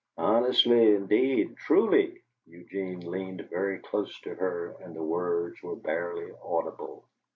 "Honestly indeed truly " Eugene leaned very close to her and the words were barely audible.